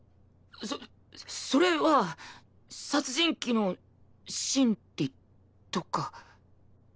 そそれは殺人鬼の心理とか。